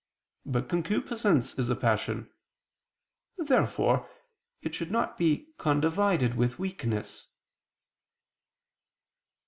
But concupiscence is a passion. Therefore it should not be condivided with weakness.